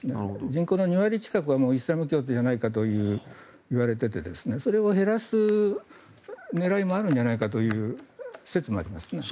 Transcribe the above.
人口の２割近くがイスラム教徒じゃないかといわれていてそれを減らす狙いもあるんじゃないかという説もありますね。